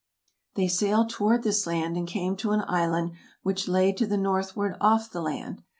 They sailed toward this land, and came to an island which lay to the northward off the land.